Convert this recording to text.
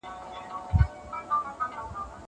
کېدای سي مېوې خراب وي!